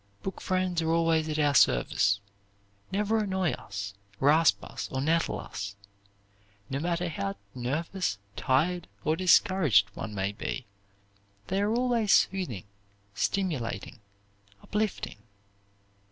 Book friends are always at our service, never annoy us, rasp or nettle us. No matter how nervous, tired, or discouraged one may be, they are always soothing, stimulating, uplifting.